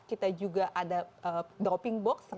kita juga ada dropping box